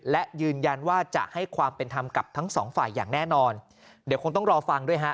และยืนยันว่าจะให้ความเป็นธรรมกับทั้งสองฝ่ายอย่างแน่นอนเดี๋ยวคงต้องรอฟังด้วยฮะ